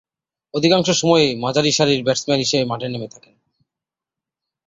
অধিকাংশ সময়ই মাঝারিসারির ব্যাটসম্যান হিসেবে মাঠে নেমে থাকেন।